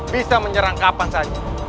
bisa menyerang kapan saja